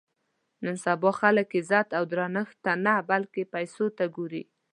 نن سبا خلک عزت او درنښت ته نه بلکې پیسو ته ګوري.